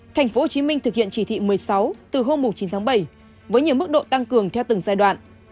tp hcm thực hiện chỉ thị một mươi sáu từ hôm chín tháng bảy với nhiều mức độ tăng cường theo từng giai đoạn